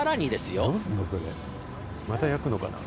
また焼くのかな？